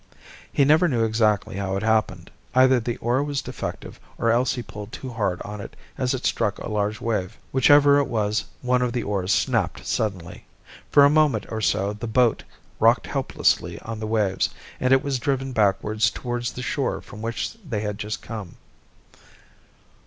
He never knew exactly how it happened. Either the oar was defective, or else he pulled too hard on it as it struck a large wave; whichever it was, one of the oars snapped suddenly. For a moment or so the boat rocked helplessly on the waves, and it was driven backwards towards the shore from which they had just come.